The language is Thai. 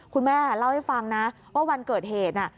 คุณแม่เล่าให้ฟังนะว่าวันเกิดเหตุน่ะ